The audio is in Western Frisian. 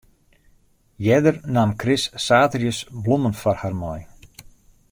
Earder naam Chris saterdeis blommen foar har mei.